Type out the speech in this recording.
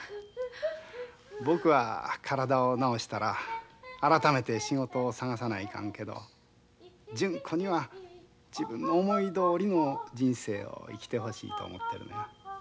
僕は体を治したら改めて仕事を探さないかんけど純子には自分の思いどおりの人生を生きてほしいと思ってるのや。